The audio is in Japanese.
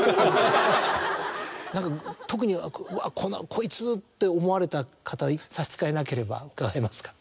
特に「うわこいつ」って思われた方差し支えなければ伺えますか？